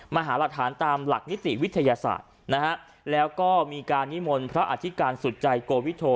หารักฐานตามหลักนิติวิทยาศาสตร์นะฮะแล้วก็มีการนิมนต์พระอธิการสุดใจโกวิโท